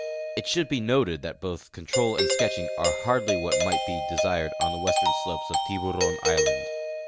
It should be noted that both control and sketching are hardly Avhat might be desired on the Avestern slojies of Tihuron island.